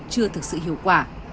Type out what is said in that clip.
chưa thực sự hiệu quả